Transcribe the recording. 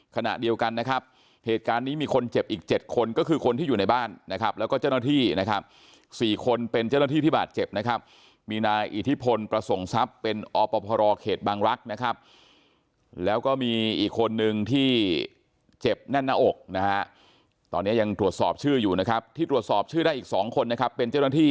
ขณะเดียวกันนะครับเหตุการณ์นี้มีคนเจ็บอีก๗คนก็คือคนที่อยู่ในบ้านนะครับแล้วก็เจ้าหน้าที่นะครับ๔คนเป็นเจ้าหน้าที่ที่บาดเจ็บนะครับมีนายอิทธิพลประสงค์ทรัพย์เป็นอพรเขตบางรักษ์นะครับแล้วก็มีอีกคนนึงที่เจ็บแน่นหน้าอกนะฮะตอนนี้ยังตรวจสอบชื่ออยู่นะครับที่ตรวจสอบชื่อได้อีกสองคนนะครับเป็นเจ้าหน้าที่